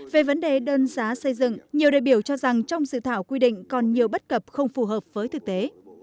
về vấn đề đơn giá xây dựng nhiều đại biểu cho rằng trong sự thảo quy định còn nhiều bất cập không phù hợp với thực tế